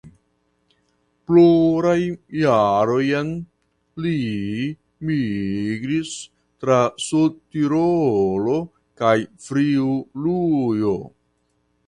Plurajn jarojn li migris tra Sudtirolo kaj Friulujo.